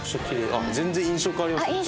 あっ全然印象変わりますね。